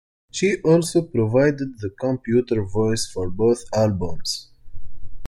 She also provided the computer voice for both albums.